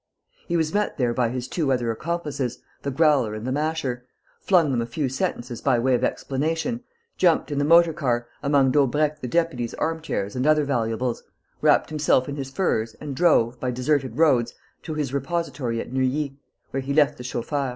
He was there met by his two other accomplices, the Growler and the Masher, flung them a few sentences by way of explanation, jumped into the motor car, among Daubrecq the deputy's armchairs and other valuables, wrapped himself in his furs and drove, by deserted roads, to his repository at Neuilly, where he left the chauffeur.